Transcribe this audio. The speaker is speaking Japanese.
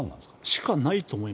しかない？